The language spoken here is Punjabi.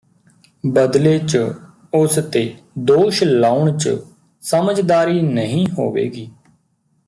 ਬਦਲੇ ਚ ਉਸ ਤੇ ਦੋਸ਼ ਲਾਉਣ ਚ ਸਮਝਦਾਰੀ ਨਹੀਂ ਹੋਵੇਗੀ